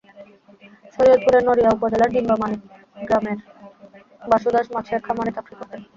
শরীয়তপুরের নড়িয়া উপজেলার ডিঙ্গামানিক গ্রামের বাসু দাস মাছের খামারে চাকরি করতেন।